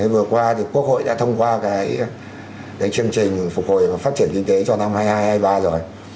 vừa qua thì quốc hội đã thông qua cái chương trình phục hồi và phát triển kinh tế cho năm hai nghìn hai mươi hai hai nghìn hai mươi ba rồi